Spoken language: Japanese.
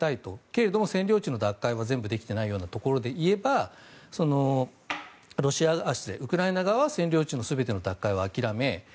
けれども占領地の奪回が全部できていないということで言えばウクライナ側は占領地の全ての奪回は諦め